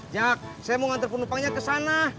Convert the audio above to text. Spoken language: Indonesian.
jak saya mau ngantre penumpangnya kesana